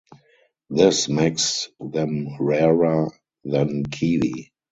This makes them rarer than kiwi.